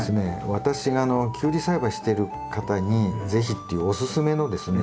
私がキュウリ栽培をしている方に是非っていうおすすめのですね